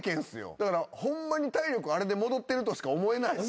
だからホンマに体力あれで戻ってるとしか思えない。